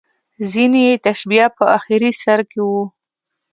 ځینې یې د تشبیه په اخري سر کې وو.